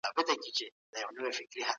هره سياسي پېژندنه خپلي ځانګړتياوي لري.